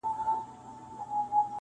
له کارونو یې وه ستړي اندامونه -